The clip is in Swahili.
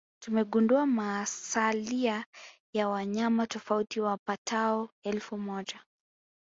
Tumegundua masalia ya wanyama tofauti wapatao elfu moja